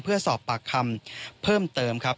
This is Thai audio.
เพื่อสอบปากคำเพิ่มเติมครับ